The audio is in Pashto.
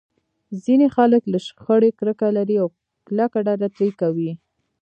ځينې خلک له شخړې کرکه لري او کلکه ډډه ترې کوي.